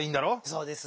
そうです。